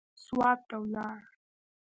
سوات ته ولاړ.